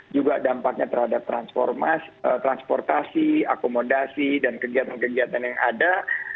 juga dampaknya terhadap transportasi akomodasi dan kegiatan kegiatan yang ada